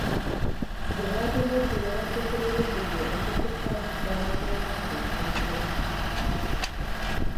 Gwe baatomedde yabadde ku mirimu gye egy'okukwasisa amateeka ku luguudo.